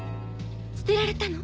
捨てられたの？